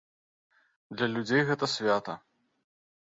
Для людзей гэта свята.